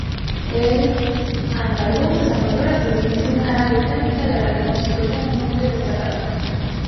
Al-Ándalus desarrolló la civilización árabe-islámica de la que constituyó un núcleo destacado.